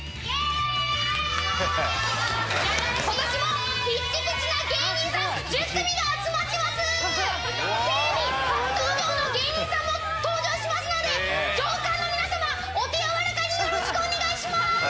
テレビ初登場の芸人さんも登場しますので上官の皆様お手柔らかによろしくお願いします！